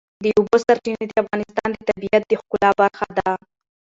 د اوبو سرچینې د افغانستان د طبیعت د ښکلا برخه ده.